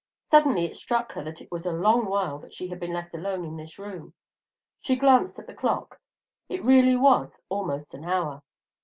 Suddenly it struck her that it was a long while that she had been left alone in this room. She glanced at the clock; it really was almost an hour.